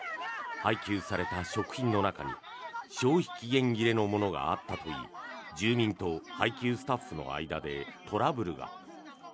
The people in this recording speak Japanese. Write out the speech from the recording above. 配給された食品の中に消費期限切れのものがあったといい住民と配給スタッフの間でトラブルが。